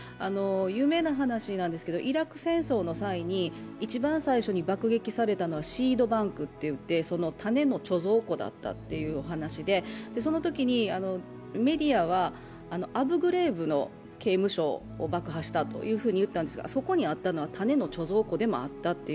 有名な話なんですが、イラク戦争の際に一番最初に爆撃されたのはシードバンクといって種の貯蔵庫だったというお話でそのときに、メディアはアブグレーブの刑務所を爆破したというふうに言ったんですが、そこにあったのは種の貯蔵庫でもあったと。